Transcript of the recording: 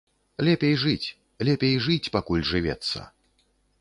Лепей жыць, лепей жыць, пакуль жывецца.